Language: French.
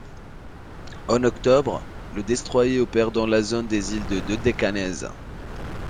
En octobre, le destroyer opère dans la zone des îles du Dodécanèse.